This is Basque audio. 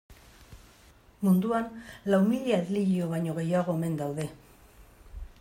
Munduan lau mila erlijio baino gehiago omen daude.